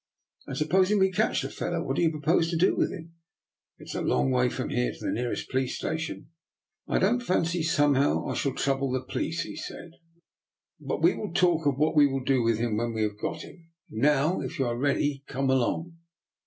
And supposing we catch the fellow, what do you propose to do with him? It is a long way from here to the nearest police station." " I don't fancy somehow I shall trouble the police," he said. " But we will talk of what we will do with him when we have got him. Now, if you are ready, come along."